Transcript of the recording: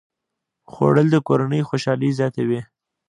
خوړل د کورنۍ خوشالي زیاته وي